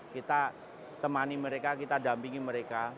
kita temani mereka kita dampingi mereka